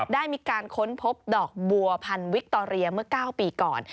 ได้มีการค้นพบดอกบัวพันธวิคตอเรียเมื่อ๙ปีก่อน